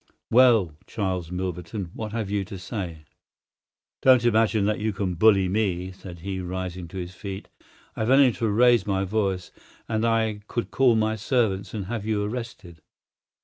Well, Charles Milverton, what have you to say?" "Don't imagine that you can bully me," said he, rising to his feet. "I have only to raise my voice, and I could call my servants and have you arrested.